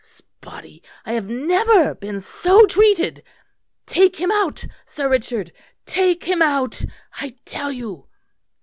S' Body, I have never been so treated! Take him out, Sir Richard, take him out, I tell you!"